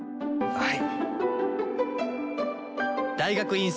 はい！